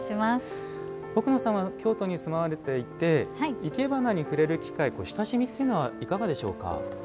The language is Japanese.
奥野さんは京都に住まわれていていけばなに触れる機会親しみはいかがでしょうか？